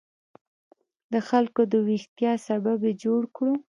د خلکو د ویښتیا سبب یې جوړ کړو.